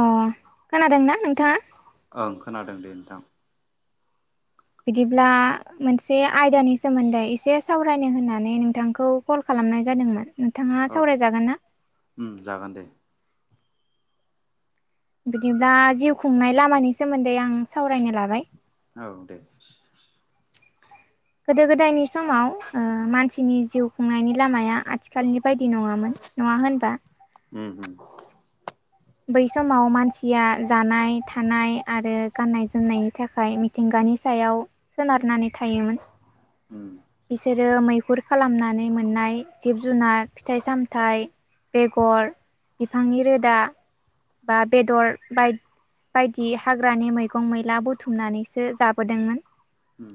अह खोनादोंना नोंथाङा? ओं खोनादों दे नोंथां बिदिब्ला मोनसे आयदानि सोमोन्दै एसे सावरायनो होननानै नोंथांखौ कल खालाम खालामनाय जादोंमोन नोंथाङा औ सावरायजागोन ना? उम जागोन दे बिदिब्ला जिउ खुंनाय लामानि सोमोन दे आं सावरायनो लाबाय [inaudible] औ दे गोदो गोदायनि समाव ओह मानसिनि जिउ खुंनायनि लामाया आथिखालनि बायदि नङामोन नङा होनबा? होम होम बै समाव मानसिया जानाय थानाय आरो गाननाय जोमनायनि थाखाय मिथिंगा हानि सायाव सोनारनानै थायोमोन ओम बिसोरो मैहुर खालामनानै मोननाय जिब जुनार फिथाइ सामथाइ बेगर बिफांनि रोदा बा बेदर बाय बायदि हाग्रानि मैगं मैला बुथुमनानैसो जाबोदोंमोन ओम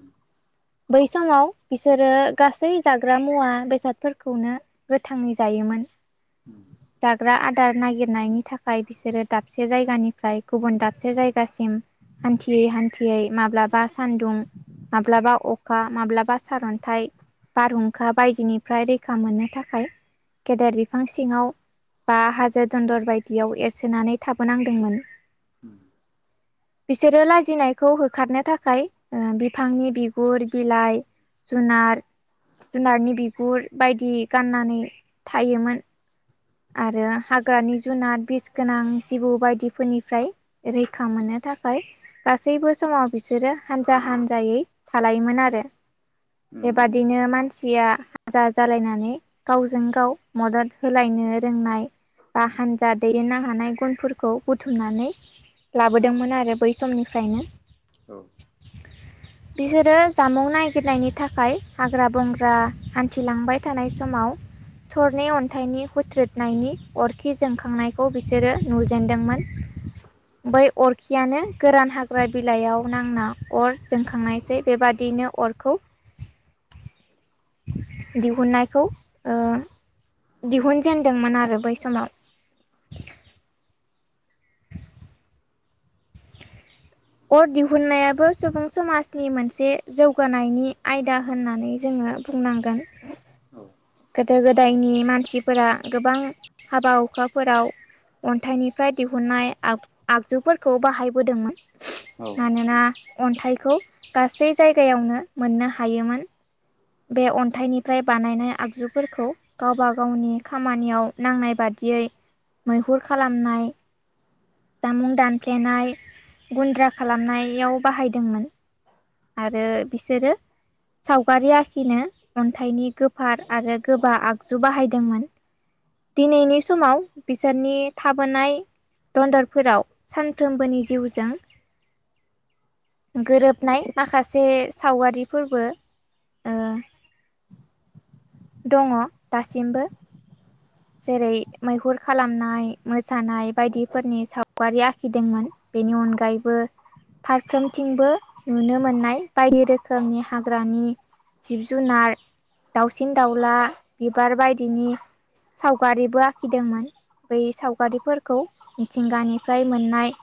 बै समाव बिसोरो गासै जाग्रा मुवा बेसादफोरखौनो गोथांङै जायोमोन जाग्रा आदार नागिरनायनि थाखाय बिसोरो दाबसे जायगानिफ्राय गुबुन दाबसे जायगासिम हान्थियै हान्थियै माब्लाबा सान्दुं माब्लाबा अखा माब्लाबा सारन्थाइ बारहुंखा बायदिनिफ्राय रैखा मोननो थाखाय गेदेर बिफां सिङाव बा हाजो दन्दर बायदियाव एरसोनानै थाबोनांदोंमोन [inaudible] बिसोरो लाजिनायखौ होखारनो थाखाय ओह बिफांनि बिगुर बिलाइ जुनार जुनारनि बिगुर बायदि गाननानै थायोमोन आरो हाग्रानि जुनाद बिस गोनां जिबौ बायदिफोरनिफ्राय रैखा मोनो थाखाय गासैबो समाव बिसोरो हानजा हानजायै थालायोमोन आरो उम बेबादिनो मानसि या जा जालायनानै गावजों गाव मदद होलायनो रोंनाय बा हानजा दैदेननो हानाय गुनफोरखौ बुथुमनानै लाबोदोंमोन आरो बै उम समनिफ्रायनो औ बिसोरो जामुं नागिरनायनि थाखाय हाग्रा बंग्रा हान्थिलांबाय थानाय समाव थरनै अन्थाइनि हुथ्रोदनायनि अरखि जोंखांनायखौ बिसोरो नुजेनदोंमोन बै अरखियानो गोरान हाग्रा बिलाइयाव नांना अर जोंखांनायसै बेबादिनो अरखौ [inaudible] दिहुननायखौ ओह दिहुनजेन दोंमोन आरो बै समाव अर दिहुननायाबो सुबुं समाजनि मोनसे जौगानायनि आयदा होननानै जोंङो हो बुंनांगोन औ गोदो गोदायनि मानसिफोरा गोबां हाबा हुखाफोराव अन्थाइनिफ्राय दिहुनन्नाय आग आगजुफोरखौ बाहायबोदोंमोन। औ मानोना अन्थाइखौ गासै जायगायावनो मोननो हायोमोन। बे अन्थाइनिफ्राय बानायनाय आगजुफोरखौ गावबा गावनि खामानियाव नांनाय बादि यै मैहुर खालामनाय जामुं दानफ्लेनाय गुन्द्रा खालामनायाव बाहायदोंमोन। आरो बिसोरो सावगारि आखिनो अन्थाइनि गोफार आरो गोबा आगजु बाहायदोंमोन। दिनैनि समाव बिसोरनि थाबोनाय दन्दरफोराव सानफ्रोमबोनि जिउजों गोरोबनाय माखासे सावगारिफोरबो ओ दङ दासिमबो। जेरै मैहुर खालामनाय मोसानाय बायदिफोरनि सावगारि आखिदोंमोन। बेनि अनगायैबो फारफ्रोमथिंबो नुनो मोननाय बायदि रोखोमनि हाग्रानि जिब जुनार दाउसिन दाउला बिबार बायदिनि सावगारिबो आखिदोंमोन। बै सावगारिफोरखौ मिथिंगानिफ्राय मोननाय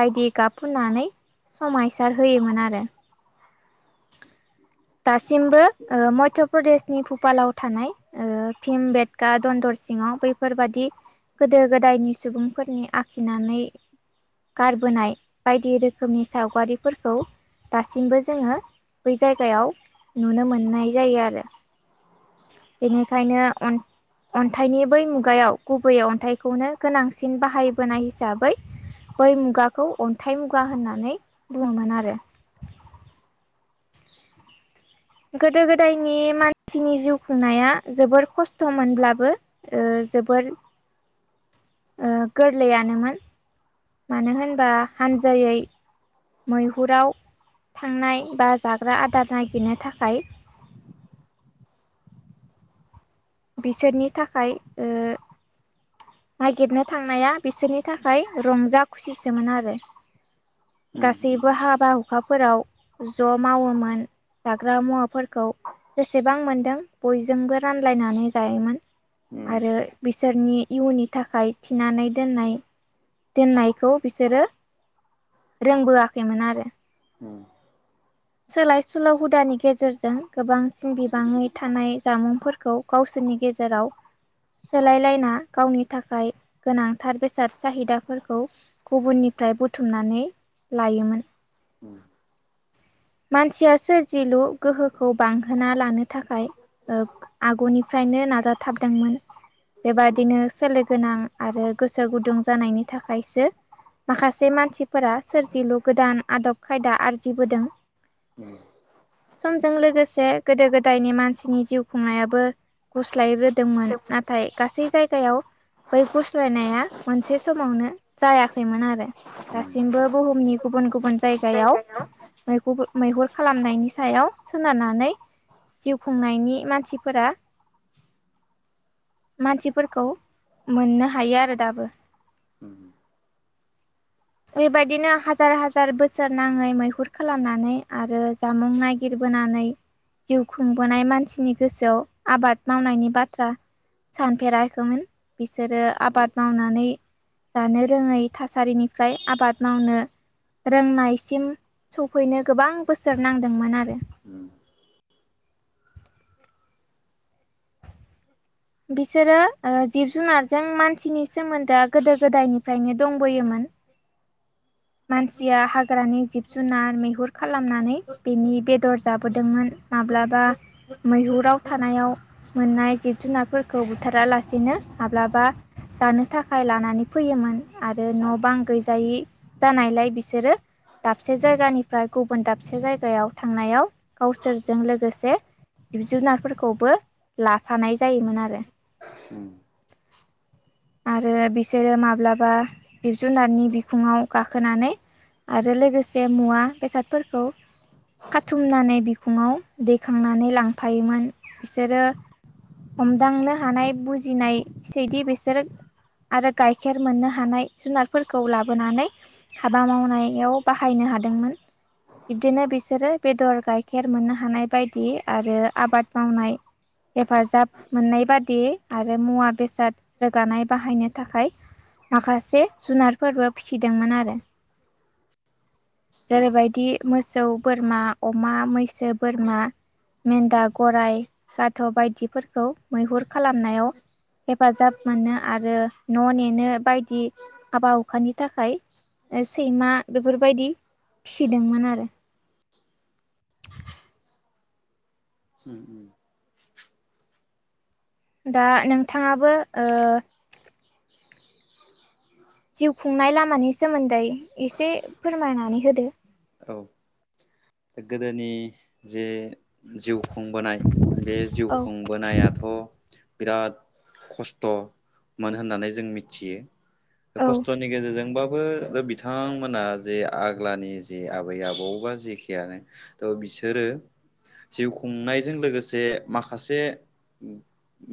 बायदि गाब फुननानै समायसार होयोमोन आरो। दासिमबो मध्य प्रदेशनि भुपालाव थानाय ओ भिम बेदका दन्दर सिङाव बैफोरबादि गोदो गोदायनि सुबुंफोरनि आखिनानै गारबोनाय बायदि रोखोमनि सावगारिफोरखौ दासिमबो जोङो बै जायगायाव नुनो मोननाय जायो आरो बेनिखायनो अन अन्थाइनि बै मुगायाव गुबैयै अन्थाइखौनो गोनांसिन बाहायबोनाय हिसाबै बै मुगाखौ अन्थाइ मुगा होननानै बुङोमोन आरो। [inaudible] गोदो गोदायनि मानसिनि जिउ खुंनाया जोबोर खस्थ' मोनब्लाबो ओ जोबोर गोरलैयानोमोन मानो होनबा हानजायै मैहुराव थांनाय बा जाग्रा आदार नागिरनो थाखाय। [inaudible] बिसोरनि थाखाय ओ नागिरनो थांनाया बिसोरनि थाखाय रंजा खुसिसोमोन आरो। उम उम गासैबो हाबा हुखाफोराव ज' मावोमोन जाग्रा मुवाफोरखौ जेसेबां मोनदों बयजोंबो रानलायनानै जायोमोन। उम आरो बिसोरनि इयुननि थाखाय थिनानै दोननाय दोननायखौ बिसोरो रोंबोआखैमोन आरो। उम सोलाय सोल' हुदानि गेजेरजों गोबांसिन बिबाङै थानाय जामुंफोरखौ गावसोरनि गेजेराव सोलायलायना गावनि थाखाय गोनांथार बेसाद साहिदाफोरखौ गुबुननि फ्राय बुथुमनानै लायोमोन। उम। मानसिया सोरजिलु गोहोखौ बांहोना लानो थाखाय आगुनिफ्रायनो नाजाथाबदोंमोन। बेबादिनो सोलो गोनां आरो गोसो गुदुं जानायनि थाखायसो माखासे मानसिफोरा सोरजिलु गोदान आदब खायदा आरजिबोदों। उम। समजों लोगोसे गोदो गोदायनि मानसिनि जिउ खुंनायाबो गुस्लायबो दोंमोन नाथाय गासै जायगायाव बै गुस्लायनाया मोनसे समावनो जायाखैमोन आरो उम उम दासिमबो बुहुमनि गुबुन गुबुन जायगायाव मैगुबो मैहुर खालामनायनि सायाव सोनारनानै जिउ खुंनायनि मानसिफोरा मानसिफोरखौ मोननो हायो आरो दाबो। बेबायदिनो हाजार हाजार बोसोर नाङै मैहुर खालामनानै आरो जामुं नागिरबोनानै जिउ खुंबोनाय मानसिनि गोसोआव आबाद मावनायनि बाथ्रा। सानफेराखोमोन बिसोरो आबाद मावनानै जानो रोङै थासारिनिफ्राय आबाद मावनो रोंनायसिम सफैनो गोबां बोसोर नांदोंमोन आरो उम बिसोरो ओ जिब जुनारजों मानसिनि सोमोन्दोआ गोदो गोदायनिफ्रायनो दंबोयोमोन। [inaudible] मानसिया हाग्रानि जिब जुनार मैहुर खालामनानै बेनि बेदर जाबोदोंमोन। माब्लाबा मैहुराव थानायाव मोननाय जिब जुनारफोरखौ बुथारालासिनो माब्लाबा जानो थाखाय लानानै फैयोमोन आरो न' बां गैजायि जानायलाय बिसोरो दाबसे जायगानिफ्राय गुबुन दाबसे जायगायाव थांनायाव गावसोरजों लोगोसे जिब जुनारफोरखौबो लाफानाय जायोमोन आरो उम आरो बिसोरो माब्लाबा जिब जुनारनि बिखुङाव गाखोनानै आरो लोगोसे मुवा बेसादफोरखौ खाथुमनानै बिखुङाव दैखांनानै लांफायोमोन बिसोरो हमदांनो हानाय बुजिनाय सैदि बिसोर [inaudible] आरो गाइखेर मोननो हानाय जुनारफोरखौ लाबोनानै हाबा मावनायाव बाहायनो हादों। [inaudible] बिब्दिनो बिसोरो बेदर गाइखेर मोननो हानाय बायदि आरो आबाद मावनाय हेफाजाब मोननाय बादि आरो मुवा बेसाद गानाय बाहायनो थाखाय माखासे जुनारफोरबो फिसिदोंमोन आरो [inaudible] जेरैबायदि मोसौ बोरमा अमा मैसो बोरमा मेन्दा गराइ गाध बायदिफोरखौ मैहुर खालामनायाव हेफाजाब मोनो आरो न नेनो बायदि हाबा हुखानि थाखाय सैमा बेफोरबायदि फिसिदोंमोन आरो [inaudible] उम उम दा नोंथाङाबो ओ जिउ खुंनाय लामानि सोमोन्दै इसे फोरमायनानै होदो। औ गोदोनि जे जिउ खुंबोनाय बे जिउ औ खुंबोनायाथ बिराद खस्थमोन होननानै जों मिथियो। औ खस्थनि गेजेरजोंबाबो बिथांमोना जे आग्लानि जे आबै आबौबा जेखेयानो थ बिसोरो जिउ खुंनायजों लोगोसे माखासे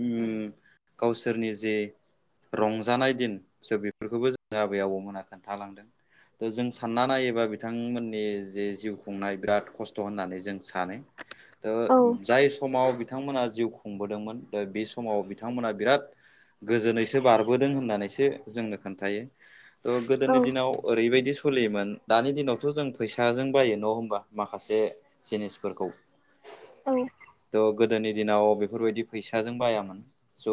उम गावसोरनि जे रंजानाय दिन स बेफोरखौबो जों आबै आबौमोनहा खोन्थालांदों। त जों सानना नायोबा बे बिथांमोननि जे जिउ खुंनाय बिराद खस्थ होननानै जों सानो। ओ औ जाय समाव बिथांमोना जिउ खुंबोदोंमोन दा बे समाव बिथांमोना बिराद गोजोनैसो बारबोदों होननानै सो जोंनो खोन्थाय औ गोदोनि दिनाव ओरैबायदि सोलियोमोन दानि दिनाव थ' जों फैसाजों बायो न' होमबा माखासे जिनिसफोरखौ औ द गो गोदोनि दिनाव बेफोरबायदि फैसाजों बायामोन स'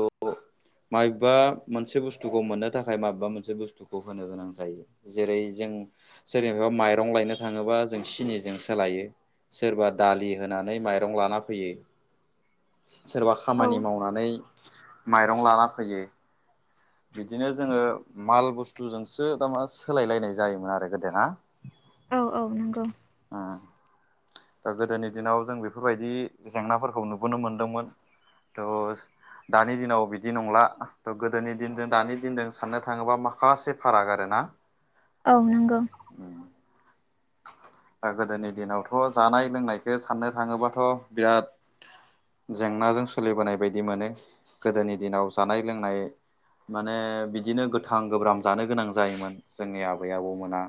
माबेबा मोनसे बुस्थुखौ मोननो थाखाय माबेबा मोनसे बुस्थुखौ होनो गोनां जायो जेरै जों जेनेबा माइरं लायनो थाङोबा जों सिनिजों सोलायो सोरबा दालि होनानै माइरं लाना फैयो सोरबा औ खामानि मावनानै माइरं लाना फैयो बिदिनो जोङो माल बुस्थुजोंसो थारमा सोलायलायनाय जायोमोन आरो गोदा औ औ नंगौ दा गोदोनि दिनाव जों बेफोरबायदि जेंनाफोरखौ नुबोनो मोनदोंमोन द'स दानि दिनाव बिदि नंला थ' गोदोनि दिनजों दानि दिनजों साननो थाङोब्ला माखासे फाराग आर ना औ नंगौ [inaudible] गोदोनि दिनावथ' जानाय लोंनायखौ साननो थाङोबाथ' बिराद जेंनाजों सोलिबोनाय बायदि मोनो गोदोनि दिनाव जानाय लोंनाय माने बिदिनो गोथां गोब्राम जानो गोनां जायोमोन जोंनि आबै आबौ मोना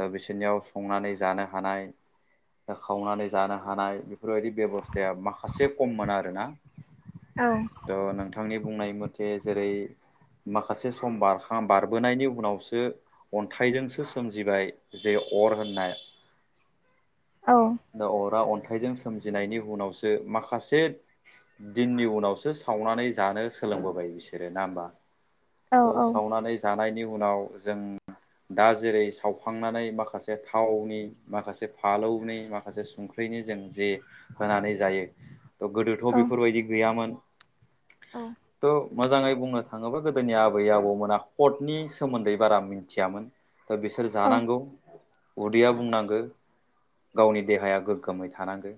दा बिसोरनियाव संनानै जानो हानाय खावनानै जानो हानाय बेफोरबायदि बेब'स्थाया माखासे खममोन आरोना औ बिथांनि बुंनाय मथे जेरै माखासे सम बारां बारबोनायनि उनावसो अन्थाइजोंसो सोमजिबाय जे अर होननाय औ दा अरा अ आखाइजों सोमजिनायनि उनावसो माखासे दिननि उनावसो सावनानै जानो सोलों लोंबोबाय बिसोरो ना होमबा औ त सावनानै जानायनि उनाव जों दा जेरै सावखांनानै माखासे थावनि माखासे फालौनि माखासे संख्रिनि जों जे होनानै जायो थ गोदोथ' औ बेफोरबायदि गैयामोन औ थ' मोजाङै बुंनो थाङोबा गोदोनि आबै आबौमोना हटनि सोमोन्दै बारा मिथियामोन दा बिसोर जानांगौ उदैया बुंनांगो गावनि देहाया गोग्गोमै थानांगो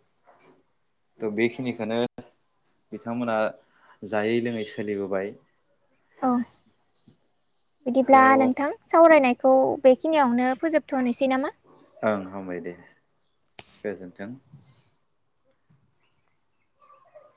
थ' बेखिनिखौनो बिथांमोना जायै लोङै सोलिबोबाय औ बिदिब्ला थ' नोंथां सावरायनायखौ बे खिनियावनो फोजोबथ'नोसै नामा ओं हामबाय दे गोजोनथों